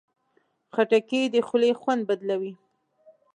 خټکی د خولې خوند بدلوي.